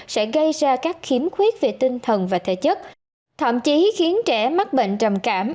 sẽ gây ra các khiếm khuyết về tinh thần và thể chất thậm chí khiến trẻ mắc bệnh trầm cảm